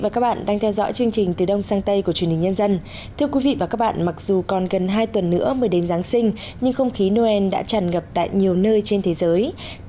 cảm ơn các bạn đã theo dõi